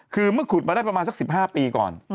คือเมื่อขุดมาได้ประมาณสัก๑๕ปีก่อน